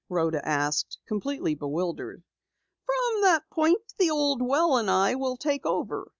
Rhoda asked, completely bewildered. "From that point the old well and I will take over!"